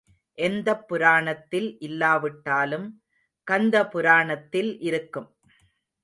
எந்தப் புராணத்தில் இல்லாவிட்டாலும் கந்த புராணத்தில் இருக்கும்.